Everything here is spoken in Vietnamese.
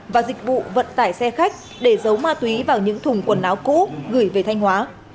và dịch vụ vận tải xe khách để giấu ma túy vào những thùng quần áo cũ gửi về thanh hóa